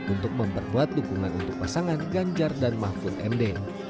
untuk memperkuat dukungan untuk pasangan ganjar dan mahfud md